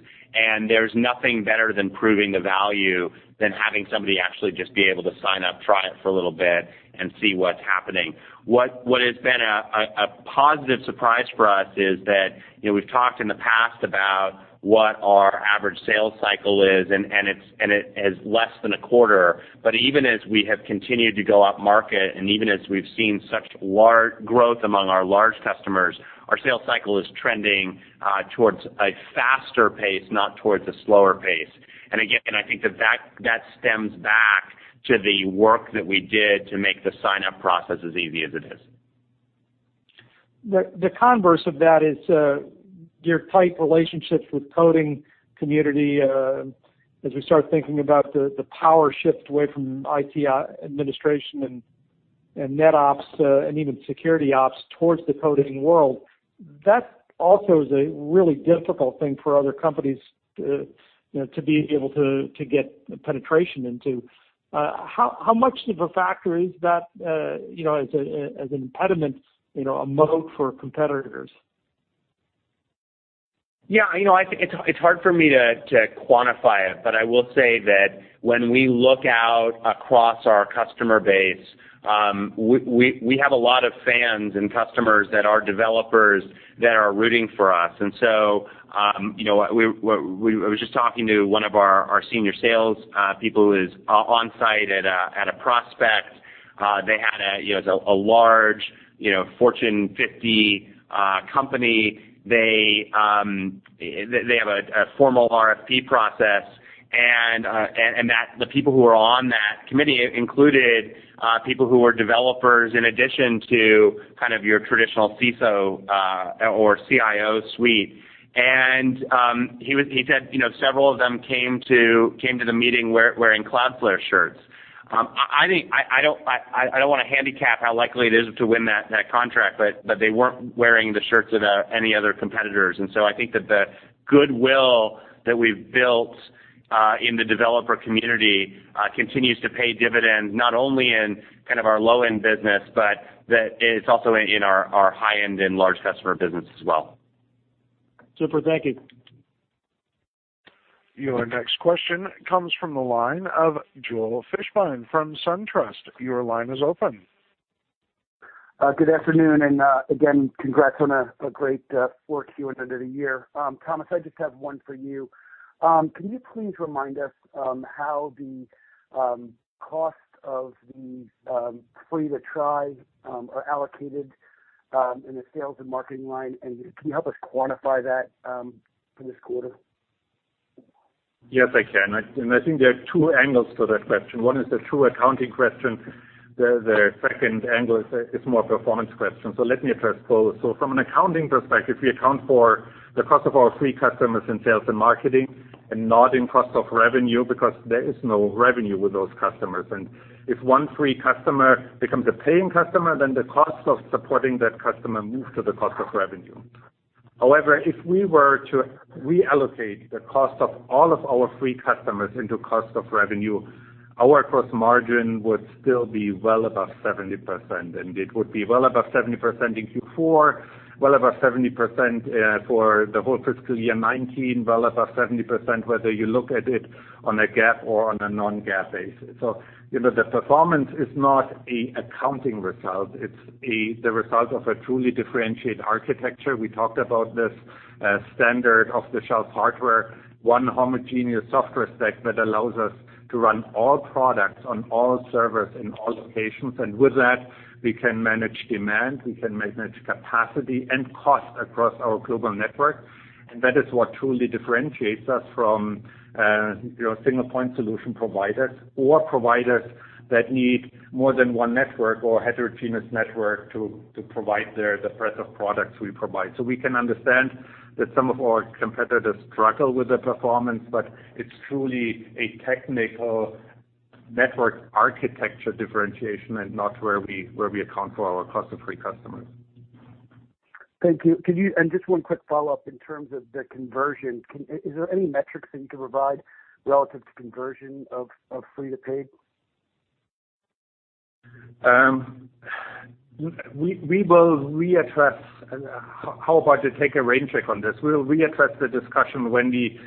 There's nothing better than proving the value than having somebody actually just be able to sign up, try it for a little bit, and see what's happening. What has been a positive surprise for us is that, you know, we've talked in the past about what our average sales cycle is, and it is less than a quarter. Even as we have continued to go up market and even as we've seen such large growth among our large customers, our sales cycle is trending towards a faster pace, not towards a slower pace. Again, I think that stems back to the work that we did to make the sign-up process as easy as it is. The converse of that is, your tight relationships with coding community, as we start thinking about the power shift away from IT administration and NetOps, and even security ops towards the coding world, that also is a really difficult thing for other companies to, you know, to be able to get penetration into. How much of a factor is that, you know, as an impediment, you know, a moat for competitors? You know, I think it's hard for me to quantify it, but I will say that when we look out across our customer base, we have a lot of fans and customers that are developers that are rooting for us. You know, I was just talking to one of our senior sales people who is on site at a prospect. They had a, you know, a large, you know, Fortune 50 company. They have a formal RFP process and that the people who are on that committee included people who were developers in addition to kind of your traditional CISO or CIO suite. He said, you know, several of them came to the meeting wearing Cloudflare shirts. I think I don't wanna handicap how likely it is to win that contract, but they weren't wearing the shirts of any other competitors. I think that the goodwill that we've built in the developer community continues to pay dividends, not only in kind of our low-end business, but that it's also in our high-end and large customer business as well. Super. Thank you. Your next question comes from the line of Joel Fishbein from SunTrust. Your line is open. Good afternoon, and again, congrats on a great fourth quarter and end of the year. Thomas, I just have one for you. Can you please remind us how the cost of the free to try are allocated in the sales and marketing line? Can you help us quantify that for this quarter? Yes, I can. I think there are two angles to that question. One is the true accounting question. The second angle is more performance question. Let me address both. From an accounting perspective, we account for the cost of our free customers in sales and marketing and not in cost of revenue because there is no revenue with those customers. If one free customer becomes a paying customer, then the cost of supporting that customer moves to the cost of revenue. However, if we were to reallocate the cost of all of our free customers into cost of revenue, our gross margin would still be well above 70%, and it would be well above 70% in Q4, well above 70% for the whole fiscal year 2019, well above 70%, whether you look at it on a GAAP or on a non-GAAP basis. You know, the performance is not a accounting result, it's the result of a truly differentiated architecture. We talked about this, standard off-the-shelf hardware, one homogeneous software stack that allows us to run all products on all servers in all locations. With that, we can manage demand, we can manage capacity and cost across our global network. That is what truly differentiates us from, you know, single point solution providers or providers that need more than one network or heterogeneous network to provide the breadth of products we provide. We can understand that some of our competitors struggle with the performance, but it's truly a technical network architecture differentiation and not where we, where we account for our cost of free customers. Thank you. Just one quick follow-up in terms of the conversion. Is there any metrics that you can provide relative to conversion of free to paid? We will readdress. How about to take a rain check on this? We'll readdress the discussion when we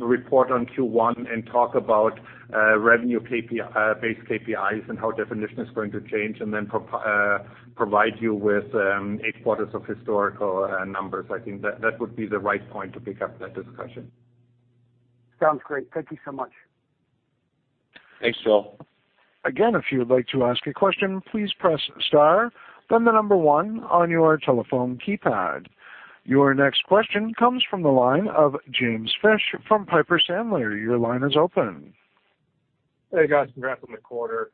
report on Q1 and talk about revenue-based KPIs and how definition is going to change and then provide you with eight quarters of historical numbers. I think that would be the right point to pick up that discussion. Sounds great. Thank you so much. Thanks, Joel. Again, if you would like to ask a question, please press star then the number one on your telephone keypad. Your next question comes from the line of James Fish from Piper Sandler. Your line is open. Hey, guys. Congrats on the quarter.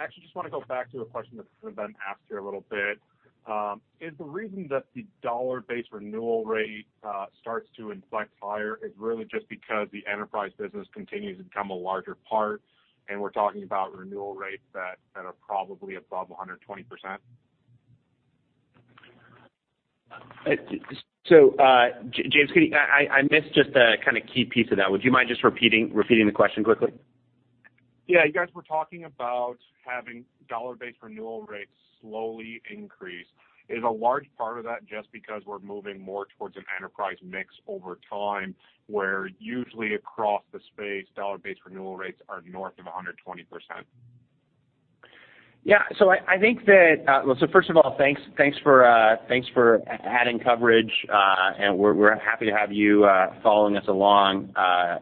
Actually just wanna go back to a question that's been asked here a little bit. Is the reason that the dollar-based renewal rate starts to inflect higher is really just because the enterprise business continues to become a larger part, and we're talking about renewal rates that are probably above 120%? James, I missed just a kinda key piece of that. Would you mind just repeating the question quickly? Yeah. You guys were talking about having dollar-based renewal rates slowly increase. Is a large part of that just because we're moving more towards an enterprise mix over time, where usually across the space, dollar-based renewal rates are north of 120%? Yeah. I think that, well, first of all, thanks for adding coverage. We're happy to have you following us along. I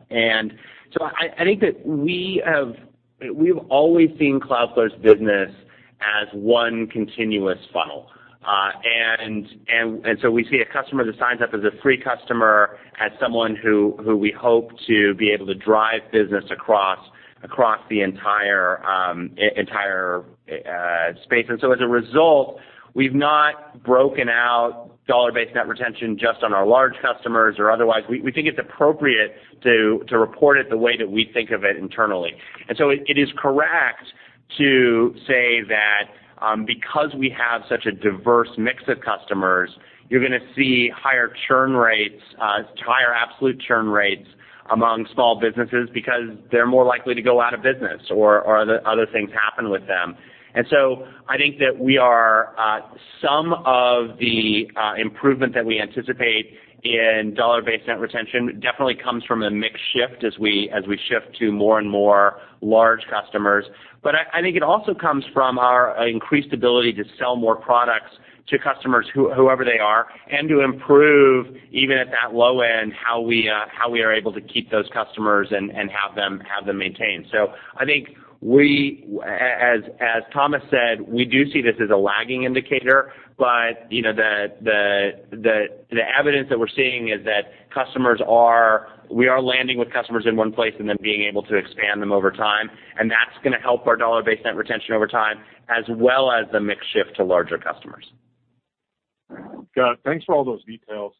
think that we've always seen Cloudflare's business as one continuous funnel. We see a customer that signs up as a free customer as someone who we hope to be able to drive business across the entire space. As a result, we've not broken out dollar-based net retention just on our large customers or otherwise. We think it's appropriate to report it the way that we think of it internally. It is correct to say that, because we have such a diverse mix of customers, you're gonna see higher churn rates, higher absolute churn rates among small businesses because they're more likely to go out of business or other things happen with them. I think that we are, some of the improvement that we anticipate in dollar-based net retention definitely comes from a mix shift as we shift to more and more large customers. I think it also comes from our increased ability to sell more products to customers whoever they are, and to improve, even at that low end, how we are able to keep those customers and have them maintained. I think we, as Thomas said, we do see this as a lagging indicator, but, you know, the evidence that we're seeing is that we are landing with customers in one place and then being able to expand them over time, and that's gonna help our dollar-based net retention over time as well as the mix shift to larger customers. Got it. Thanks for all those details.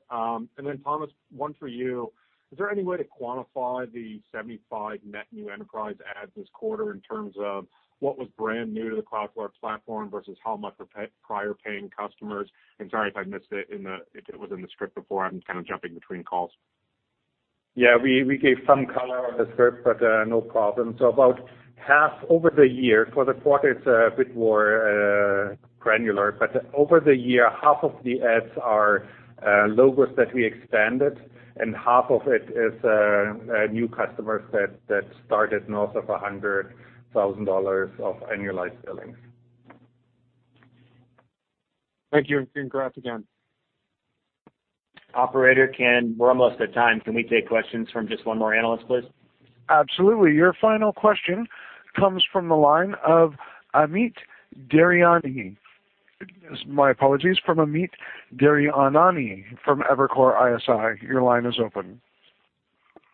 Then Thomas, one for you. Is there any way to quantify the 75 net new enterprise adds this quarter in terms of what was brand new to the Cloudflare platform versus how much were prior paying customers? Sorry if I missed it in the if it was in the script before. I'm kinda jumping between calls. We gave some color on the script, but no problem. About half over the year, for the quarter it's a bit more granular, but over the year, half of the adds are logos that we expanded, and half of it is new customers that started north of $100,000 of annualized billing. Thank you, and congrats again. Operator, we're almost at time. Can we take questions from just one more analyst, please? Absolutely. Your final question comes from the line of Amit Daryanani. My apologies. From Amit Daryanani from Evercore ISI. Your line is open.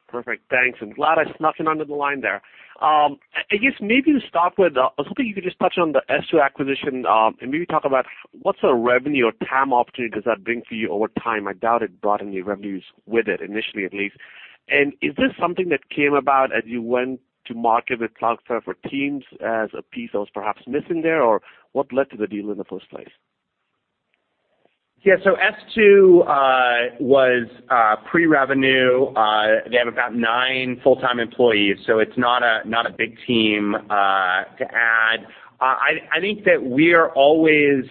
Perfect. Thanks, and glad I snuck in under the line there. I guess maybe to start with, I was hoping you could just touch on the S2 acquisition, and maybe talk about what sort of revenue or TAM opportunity does that bring for you over time. I doubt it brought any revenues with it, initially at least. Is this something that came about as you went to market with Cloudflare for Teams as a piece that was perhaps missing there, or what led to the deal in the first place? Yeah. S2 was pre-revenue. They have about nine full-time employees, so it's not a big team to add. I think that we are always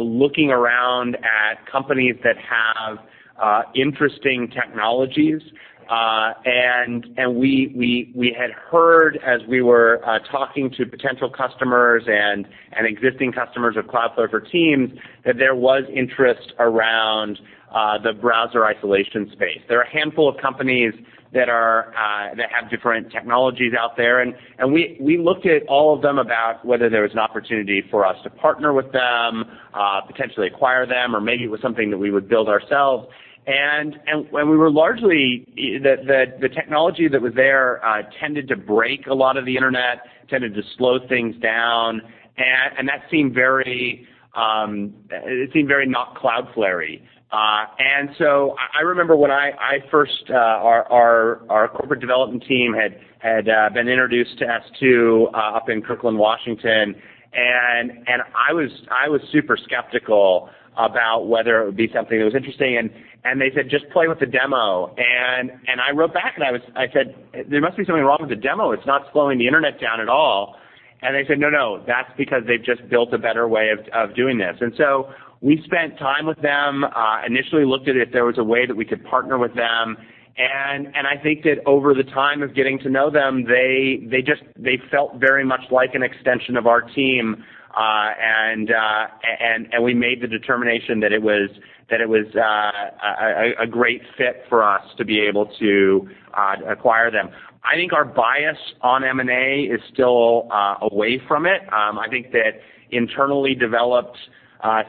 looking around at companies that have interesting technologies. And we had heard as we were talking to potential customers and existing customers of Cloudflare for Teams, that there was interest around the browser isolation space. There are a handful of companies that have different technologies out there, and we looked at all of them about whether there was an opportunity for us to partner with them, potentially acquire them, or maybe it was something that we would build ourselves. And we were largely the technology that was there, tended to break a lot of the Internet, tended to slow things down, and that seemed very, it seemed very not Cloudflare-y. I remember when I first, our corporate development team had been introduced to S2, up in Kirkland, Washington, and I was super skeptical about whether it would be something that was interesting. They said, just play with the demo. I wrote back, and I said, There must be something wrong with the demo. It's not slowing the Internet down at all. They said, no, no, that's because they've just built a better way of doing this. We spent time with them, initially looked at if there was a way that we could partner with them. I think that over the time of getting to know them, they just felt very much like an extension of our team. We made the determination that it was a great fit for us to be able to acquire them. I think our bias on M&A is still away from it. I think that internally developed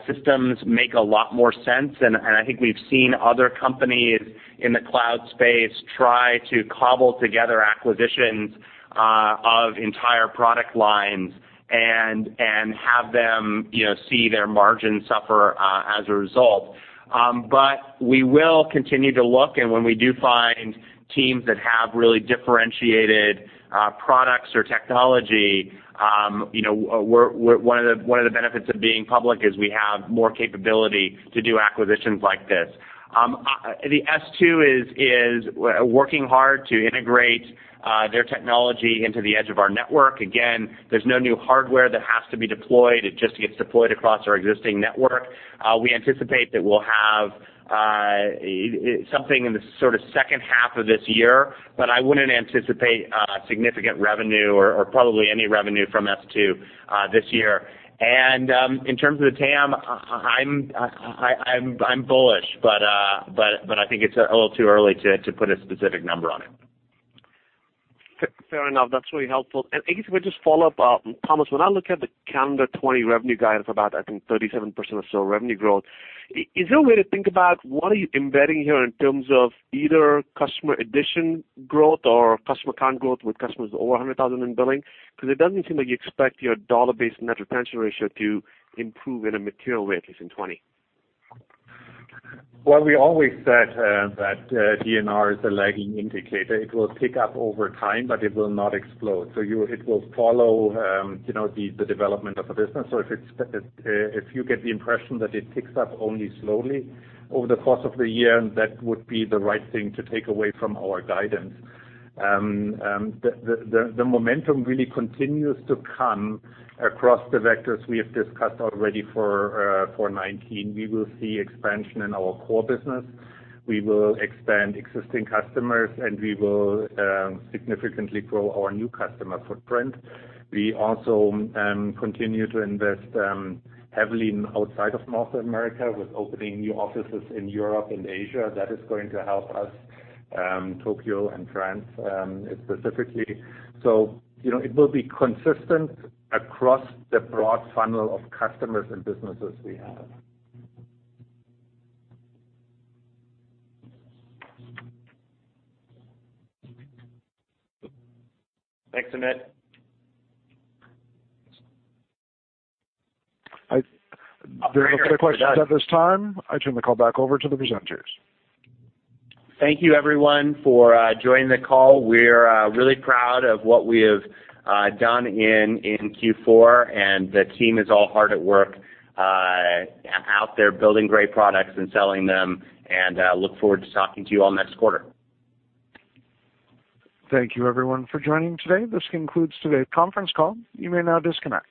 systems make a lot more sense, and I think we've seen other companies in the cloud space try to cobble together acquisitions of entire product lines and have them, you know, see their margins suffer as a result. We will continue to look, and when we do find teams that have really differentiated products or technology, you know, we're one of the benefits of being public is we have more capability to do acquisitions like this. The S2 is working hard to integrate their technology into the edge of our network. Again, there's no new hardware that has to be deployed. It just gets deployed across our existing network. We anticipate that we'll have something in the sort of second half of this year, but I wouldn't anticipate significant revenue or probably any revenue from S2, this year. In terms of the TAM, I'm bullish, but I think it's a little too early to put a specific number on it. Fair enough. That's really helpful. I guess we'll just follow up. Thomas, when I look at the calendar 2020 revenue guidance about, I think 37% or so revenue growth, is there a way to think about what are you embedding here in terms of either customer addition growth or customer count growth with customers over 100,000 in billing? Cause it doesn't seem like you expect your dollar-based net retention ratio to improve in a material way at least in 2020. Well, we always said that DNR is a lagging indicator. It will pick up over time, but it will not explode. It will follow, you know, the development of the business. If you get the impression that it picks up only slowly over the course of the year, that would be the right thing to take away from our guidance. The momentum really continues to come across the vectors we have discussed already for 2019. We will see expansion in our core business. We will expand existing customers, and we will significantly grow our new customer footprint. We also continue to invest heavily in outside of North America with opening new offices in Europe and Asia. That is going to help us, Tokyo and France, specifically. You know, it will be consistent across the broad funnel of customers and businesses we have. Thanks, Amit. There are no further questions at this time. I turn the call back over to the presenters. Thank you everyone for joining the call. We're really proud of what we have done in Q4, and the team is all hard at work out there building great products and selling them, and look forward to talking to you all next quarter. Thank you everyone for joining today. This concludes today's conference call. You may now disconnect.